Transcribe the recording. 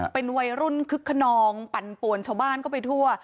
เป็นวัยรุ่นคึกขนองปั่นปวนชาวบ้านเข้าไปทั่ว